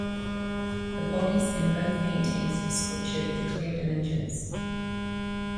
The bodies in both paintings are sculptured with clear dimensions.